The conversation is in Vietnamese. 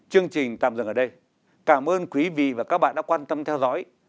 chương trình tạm dừng ở đây cảm ơn quý vị và các bạn đã quan tâm theo dõi